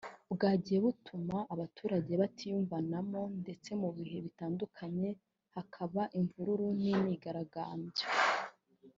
bwagiye butuma abaturage batiyumvanamo ndetse mu bihe bitandukanye hakaba imvururu n’imyigaragambyo